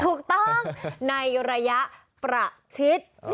ถูกต้องในระยะประชิด